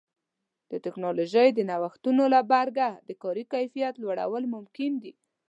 د ټکنالوژۍ د نوښتونو له برکه د کاري کیفیت لوړول ممکن دي.